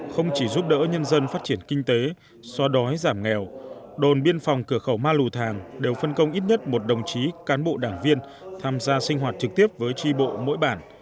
không chỉ giúp đỡ nhân dân phát triển kinh tế xoa đói giảm nghèo đồn biên phòng cửa khẩu ma lù thàng đều phân công ít nhất một đồng chí cán bộ đảng viên tham gia sinh hoạt trực tiếp với tri bộ mỗi bản